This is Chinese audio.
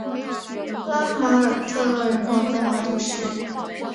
拉马尔特勒人口变化图示